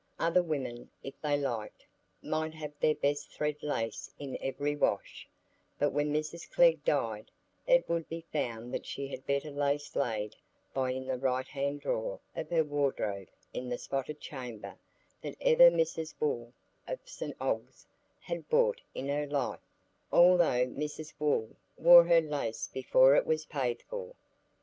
Other women, if they liked, might have their best thread lace in every wash; but when Mrs Glegg died, it would be found that she had better lace laid by in the right hand drawer of her wardrobe in the Spotted Chamber than ever Mrs Wooll of St Ogg's had bought in her life, although Mrs Wooll wore her lace before it was paid for.